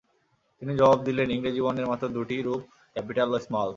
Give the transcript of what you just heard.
তিনি জবাব দিলেন, ইংরেজি বর্ণের মাত্র দুটি রূপ ক্যাপিটাল ও স্মল।